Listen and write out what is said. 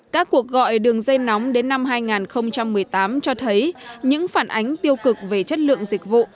các cuộc gọi đường dây nóng đến năm hai nghìn một mươi tám cho thấy những phản ánh tiêu cực về chất lượng dịch vụ